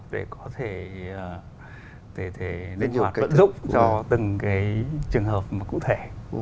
để linh hoạt vận dụng cho từng cái trường hợp cụ thể